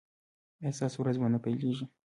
ایا ستاسو ورځ به نه پیلیږي؟